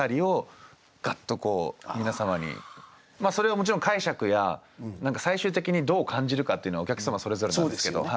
それはもちろん解釈や最終的にどう感じるかっていうのはお客様それぞれなんですけど。